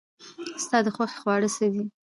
ستا د خوښې خواړه څه دي؟